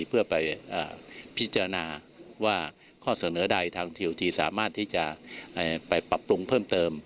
เพื่อไปพิจารณาว่าข้อเสนอใดทางทิวทีสามารถที่จะไปปรับปรุงเพิ่มเติม